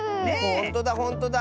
ほんとだほんとだ！